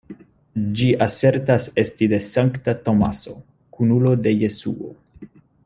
Ĝi asertas esti de Sankta Tomaso, kunulo de Jesuo.